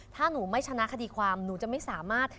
ถ้าหนูไม่ชนะคดีความหนูจะไม่สามารถ